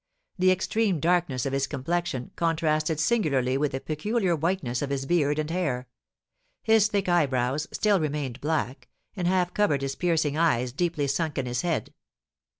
The extreme darkness of his complexion contrasted singularly with the peculiar whiteness of his beard and hair; his thick eyebrows still remained black, and half covered his piercing eyes deeply sunk in his head.